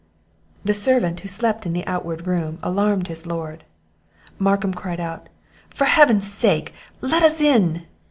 The servant who slept in the outward room alarmed his lord. Markham cried out, "For Heaven's sake, let us in!"